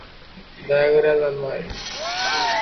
চর্যাপদের ভাষা বাংলা ভাষার অদ্যাবধি আবিষ্কৃত আদিতম রূপ।